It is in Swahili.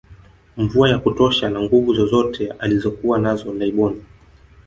Mvua ya kutosha na Nguvu zozote alizokuwa nazo laibon